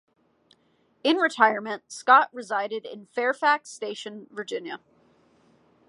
In retirement Scott resided in Fairfax Station, Virginia.